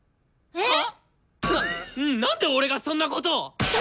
えっ！？